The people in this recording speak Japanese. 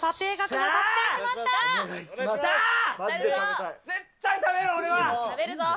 食べるぞ。